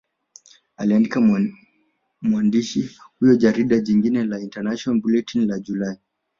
Aliandika mwandishi huyo Jarida jingine la International Bulletin la Julai